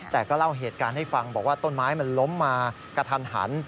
แต่ก็เล่าเหตุการณ์ให้ฟังบอกว่าต้นไม้มันล้มมากระทันหัน